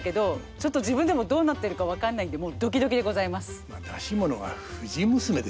ちょっと自分でもどうなってるか分かんないんでもうドキドキでございます。